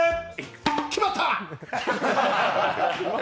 決まった！